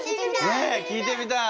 ねえ聞いてみたい。